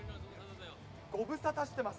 ご無沙汰してます。